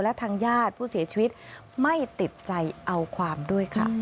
และทางญาติผู้เสียชีวิตไม่ติดใจเอาความด้วยค่ะ